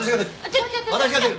私が出る。